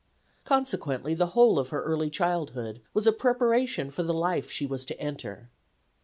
Consequently the whole of her early childhood was a preparation for the life she was to enter.